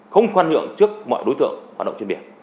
không khoan nhượng trước mọi đối tượng hoạt động trên biển